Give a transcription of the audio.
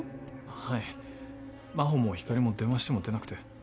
はい真帆も光莉も電話しても出なくて。